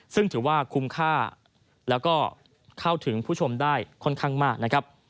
ซึ่งถือว่าคุ้มค่าแล้วก็เข้าถึงผู้ชมได้ค่อนข้างมากนะครับ